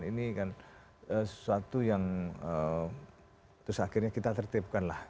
ini kan sesuatu yang terus akhirnya kita tertipkanlah